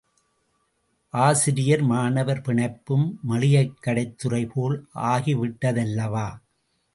ஆசிரியர் மாணவர் பிணைப்பும் மளிகைக்கடைத்துறை போல் ஆகிவிட்டதல்லவா?